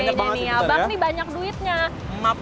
abang nih banyak duitnya